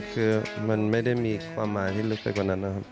คือมันไม่ได้มีความหมายที่ลึกไปกว่านั้นนะครับ